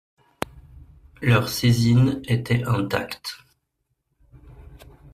Leurs saisines étaient intactes.